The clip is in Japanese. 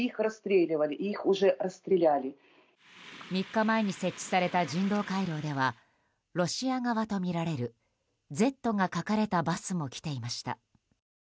３日前に設置された人道回廊ではロシア側とみられる「Ｚ」が書かれたバスも来ていました。